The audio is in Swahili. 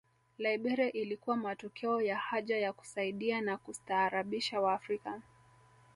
Liberia ilikuwa matokeo ya haja ya kusaidia na kustaarabisha Waafrika